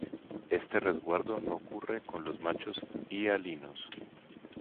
Este resguardo no ocurre con los machos hialinos.